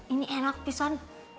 ini enak tisan